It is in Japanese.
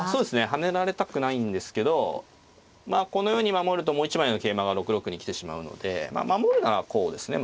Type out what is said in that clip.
跳ねられたくないんですけどこのように守るともう一枚の桂馬が６六に来てしまうので守るならこうですね。